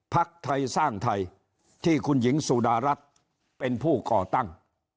พักไทยสร้างไทยที่คุณหญิงสุดารัฐเป็นผู้ก่อตั้ง